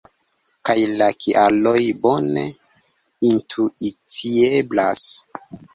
Kaj la kialoj bone intuicieblas.